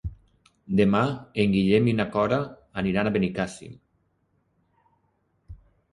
Demà en Guillem i na Cora aniran a Benicàssim.